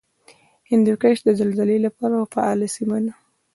هندوکش د زلزلې له پلوه فعاله سیمه ده